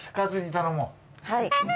はい。